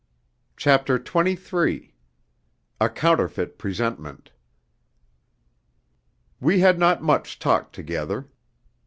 CHAPTER XXIII A Counterfeit Presentment We had not much talk together.